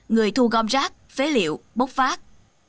người thu gom rác phế liệu bốc phát